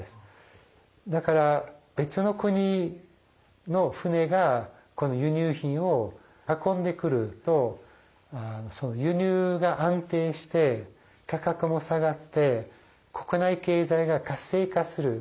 だから別の国の船が輸入品を運んでくると輸入が安定して価格も下がって国内経済が活性化する。